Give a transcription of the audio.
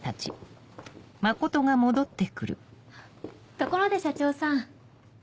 ところで社長さん。